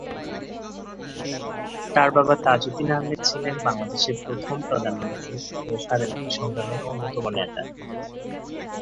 তার বাবা তাজউদ্দীন আহমদ ছিলেন বাংলাদেশের প্রথম প্রধানমন্ত্রী ও স্বাধীনতা সংগ্রামের অন্যতম নেতা।